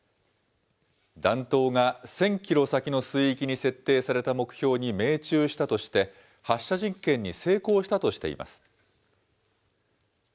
弾頭が１０００キロ先の水域に設定された目標に命中したとして、発射実験に成功したとしています。